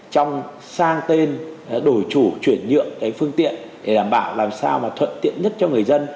trong sang tên đổi chủ chuyển nhượng cái phương tiện để đảm bảo làm sao mà thuận tiện nhất cho người dân